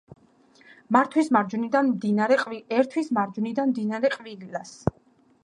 ერთვის მარჯვნიდან მდინარე ყვირილას.